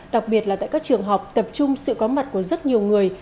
đặc biệt là tại các trường học tập trung sự có mặt của rất nhiều người